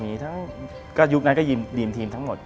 มีทั้งก็ยุคนั้นก็รีมทีมทั้งหมด